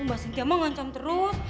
mbak sintia mah ngancam terus